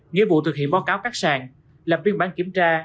nghĩa vụ thực hiện báo cáo các sàn lập biên bản kiểm tra